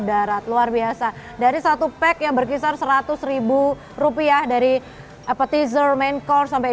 darat luar biasa dari satu pack yang berkisar seratus ribu rupiah dari appetizer main course sampai